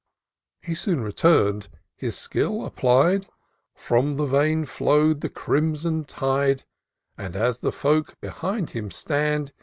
He soon return'd — ^his skill applied — From the vein flow'd the crimson tide. And, as the folk behind him stand.